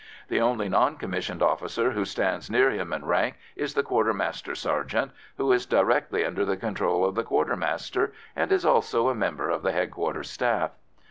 The only non commissioned officer who stands near him in rank is the quartermaster sergeant, who is directly under the control of the quartermaster, and is also a member of the headquarters staff.